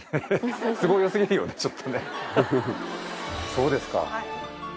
そうですか。